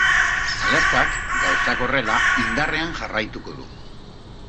Alertak, gauzak horrela, indarrean jarraituko du.